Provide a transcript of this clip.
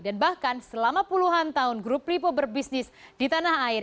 dan bahkan selama puluhan tahun grup lipo berbisnis di tanah air